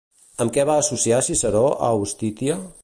Amb què va associar Ciceró a Iustitia?